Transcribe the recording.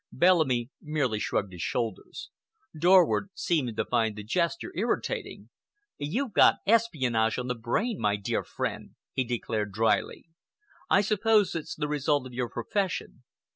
Bellamy merely shrugged his shoulders. Dorward seemed to find the gesture irritating. "You've got espionage on the brain, my dear friend," he declared dryly. "I suppose it's the result of your profession.